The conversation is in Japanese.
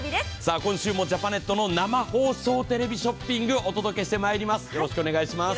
今週もジャパネットの生放送テレビショッピングお送りしてまいります。